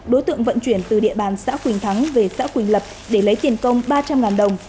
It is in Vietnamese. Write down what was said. đối tượng vận chuyển từ địa bàn xã quỳnh thắng về xã quỳnh lập để lấy tiền công ba trăm linh đồng